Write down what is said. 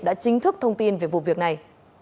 đã chính thức thông tin về vụ việc này